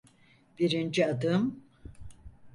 Birinci adım.